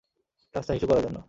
রাস্তায় হিসু করার জন্য!